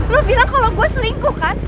lo bilang kalau gue selingkuh kan